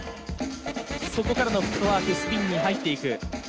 そこからのフットワークスピンに入っていく。